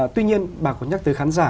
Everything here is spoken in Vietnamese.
tuy nhiên bà có nhắc tới khán giả